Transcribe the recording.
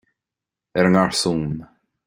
Ar an ngarsún